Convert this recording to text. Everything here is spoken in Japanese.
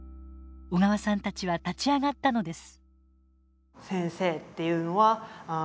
小川さんたちは立ち上がったのです。